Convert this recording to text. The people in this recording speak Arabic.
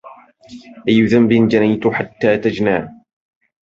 أي ذنب جنيت حتى تجنى